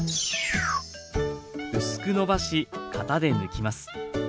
薄くのばし型で抜きます。